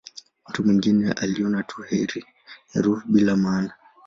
Mtu mwingine aliona tu herufi bila maana.